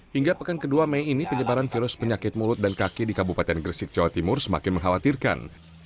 hingga pekan kedua mei ini penyebaran virus penyakit mulut dan kaki di kabupaten gresik jawa timur semakin mengkhawatirkan